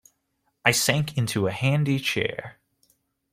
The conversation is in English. I sank into a handy chair.